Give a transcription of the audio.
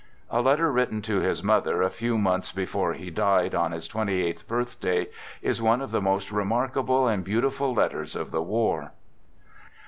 A letter written to his mother a few months before he died on his twenty eighth birthday, is one of the most remarkable and beautiful letters of the war.